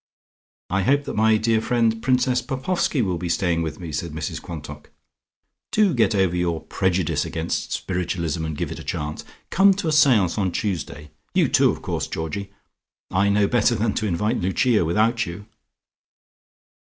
"I hope that my dear friend, Princess Popoffski, will be staying with me" said Mrs Quantock. "Do get over your prejudice against spiritualism, and give it a chance. Come to a seance on Tuesday. You, too, of course, Georgie: I know better than to invite Lucia without you."